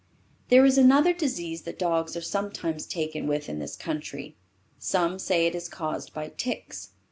There is another disease that dogs are sometimes taken with in this country. Some say it is caused by ticks.